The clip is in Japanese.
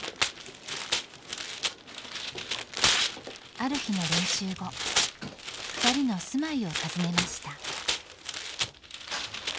ある日の練習後ふたりの住まいを訪ねました。